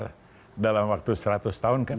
tidak akan bubar dalam waktu seratus tahun kan